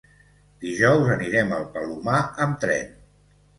Dijous anirem al Palomar amb tren.